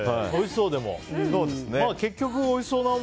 おいしそう、でも。